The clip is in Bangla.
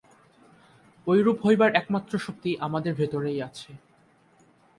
ঐরূপ হইবার একমাত্র শক্তি আমাদের ভিতরেই আছে।